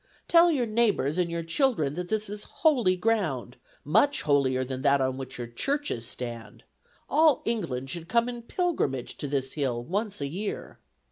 Tell your neighbors and your children that this is holy ground; much holier than that on which your churches stand. All England should come in pilgrimage to this hill once a year.'